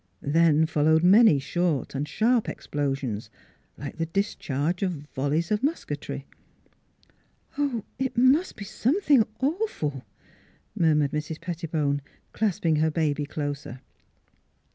Then followed many short and sharp explosions, like the discharge of volleys of musketry. " Oh ! it must be something awful !" mur mured Mrs. Pettibone, clasping her baby closer.